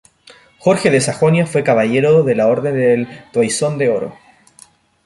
Jorge de Sajonia fue caballero de la Orden del Toisón de Oro.